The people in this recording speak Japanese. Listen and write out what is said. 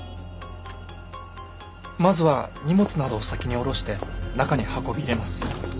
まずは荷物などを先に下ろして中に運び入れます。